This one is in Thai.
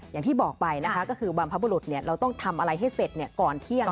อย่างที่บอกไปนะคะก็คือบรรพบุรุษเราต้องทำอะไรให้เสร็จก่อนเที่ยง